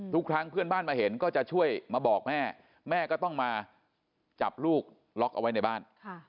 ทุกครั้งเพื่อนบ้านมาเห็นก็จะช่วยมาบอกแม่แม่ก็ต้องมาจับลูกล็อกเอาไว้ในบ้าน